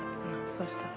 そしたら。